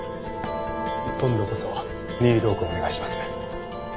今度こそ任意同行お願いします。